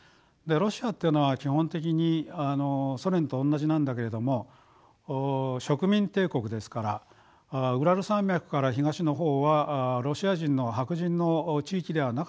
ロシアっていうのは基本的にソ連と同じなんだけれども植民帝国ですからウラル山脈から東の方はロシア人の白人の地域ではなかったわけです。